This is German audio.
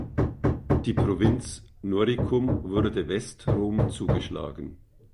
Die Provinz "Noricum" wurde Westrom zugeschlagen.